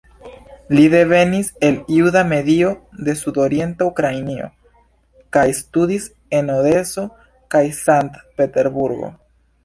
Li devenis el juda medio de Sudorienta Ukrainio kaj studis en Odeso kaj Sankt-Peterburgo.